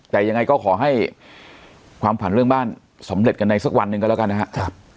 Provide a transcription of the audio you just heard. แต่ยังไงก็ขอให้ความฝันเรื่องบ้านสำเร็จกันในสักวันหนึ่งก็แล้วกันนะครับ